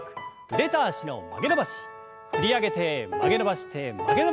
振り上げて曲げ伸ばして曲げ伸ばして振り下ろす。